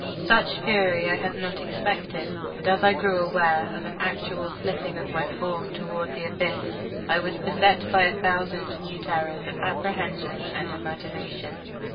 Such fury I had not expected, and as I grew aware of an actual slipping of my form toward the abyss I was beset by a thousand new terrors of apprehension and imagination.